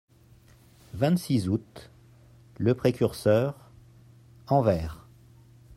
vingt-six août., Le Précurseur (Anvers).